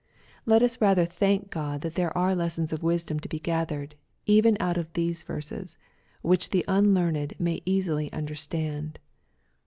Let us rather thank God that there are lessons of wisdom to be gathered, even out of these verses, which the unlearned may easily understand.